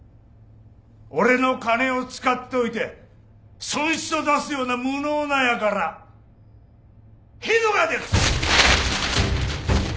俺の金を使っておいて損失を出すような無能なやからへどが出る！